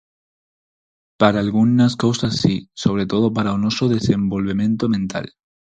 Para algunhas cousas si, sobre todo para o noso desenvolvemento mental.